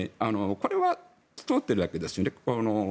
これは通っているわけですね。